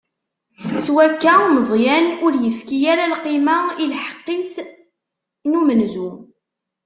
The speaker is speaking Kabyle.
S wakka, Meẓyan ur ifki ara lqima i lḥeqq-is n umenzu.